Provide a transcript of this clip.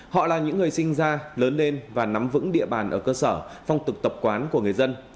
họ là những người sinh ra lớn lên và nắm vững địa bàn ở cơ sở phong tục tập quán của người dân